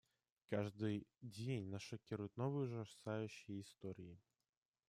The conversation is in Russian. Каждый день нас шокируют новые ужасающие истории.